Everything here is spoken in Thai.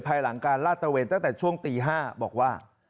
ภายหลังการลาดตะเวนตั้งแต่ช่วงตี๕บอกว่า